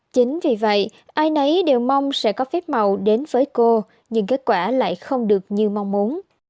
chính vì vậy ai nấy đều mong sẽ có phép màu đến với cô nhưng kết quả lại không được như mong muốn